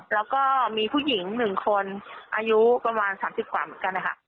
แล้วก็มีผู้หญิง๑คนอายุประมาณ๓๐กว่าเหมือนกันนะคะ